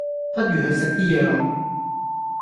不如去食啲嘢囉